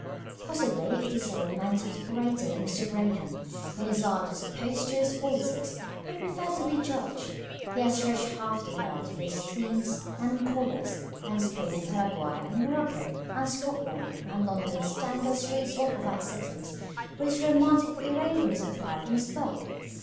Possibly, it is as a romantic decorator that Mr. Graham, in his art as opposed to his politics, would prefer to be judged. He has dredged half the world for his themes and colours, and Spain and Paraguay and Morocco and Scotland and London's tangled streets all provide settings for his romantic rearrangements of life in this book.